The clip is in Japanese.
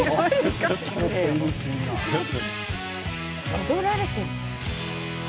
戻られても。